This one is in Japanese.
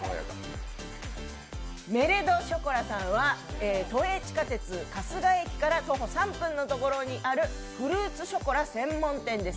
Ｍｅｌｅｄｅｃｈｏｃｏｌａｔさんは都営地下鉄春日駅から徒歩３分のところにあるフルーツショコラ専門店です。